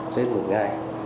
trên một ngày